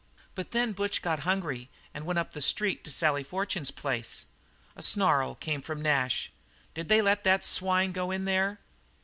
But then Butch got hungry and went up the street to Sally Fortune's place." A snarl came from Nash. "Did they let that swine go in there?"